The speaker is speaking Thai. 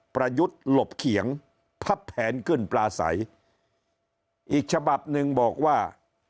ประยุทธ์หลบเขียงพับแผนขึ้นปลาใสอีกฉบับหนึ่งบอกว่า